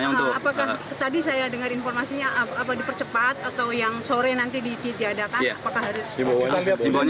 apakah tadi saya dengar informasinya apa dipercepat atau yang sore nanti ditiadakan apakah harus